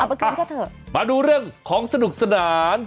ไปกินก็เถอะมาดูเรื่องของสนุกสนาน